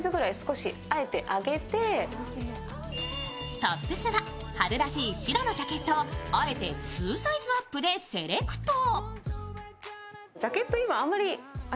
ピンクにこれがトップスは春らしい白のジャケットをあえて２サイズアップでセレクト。